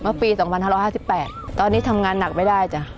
เมื่อปีสองพันห้าร้อยห้าสิบแปดตอนนี้ทำงานหนักไม่ได้จ้ะ